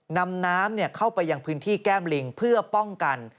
นำน้ำเข้าไปยังพื้นที่แก้มลิงเพื่อป้องกัน